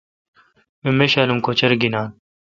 بہ میشالم کوچر گینان۔